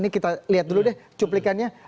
ini kita lihat dulu deh cuplikannya